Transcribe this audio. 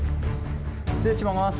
失礼します。